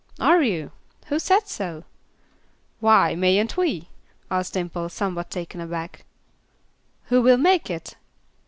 "Are you! Who said so?" "Why, mayn't we?" asked Dimple, somewhat taken aback. "Who will make it?"